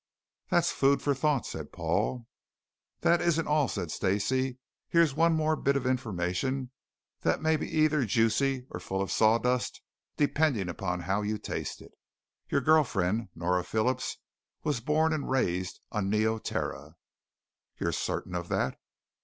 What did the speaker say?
"That's food for thought," said Paul. "That isn't all," said Stacey. "Here's one more bit of information that may be either juicy or full of sawdust depending upon how you taste it. Your girl friend, Nora Phillips was born and raised on Neoterra." "You're certain of that?"